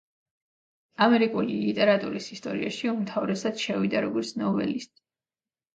ამერიკული ლიტერატურის ისტორიაში უმთავრესად შევიდა როგორც ნოველისტი.